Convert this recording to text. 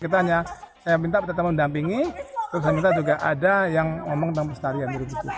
kita hanya minta tetap mendampingi terus saya minta juga ada yang ngomong tentang pelestarian